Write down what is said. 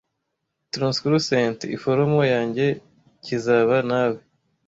Translucent iforomo yanjye kizaba nawe!